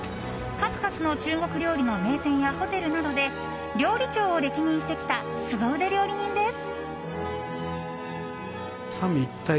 数々の中国料理の名店やホテルなどで料理長を歴任してきたすご腕料理人です。